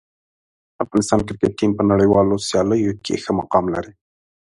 افغانستان کرکټ ټیم په نړیوالو سیالیو کې ښه مقام لري.